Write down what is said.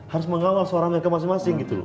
harus mengawal suara mereka masing masing gitu loh